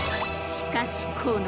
しかしこのあと！